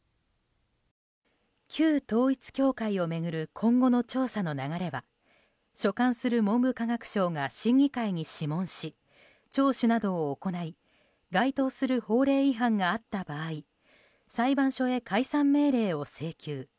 旧統一教会を巡る今後の調査の流れは所管する文部科学省が審議会に諮問し聴取などを行い該当する法令違反があった場合裁判所へ解散命令を請求。